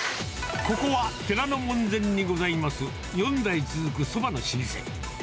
ここは、寺の門前にございます、４代続くそばの老舗。